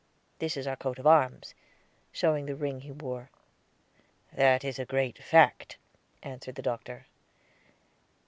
This is our coat of arms," showing the ring he wore. "That is a great fact," answered the Doctor.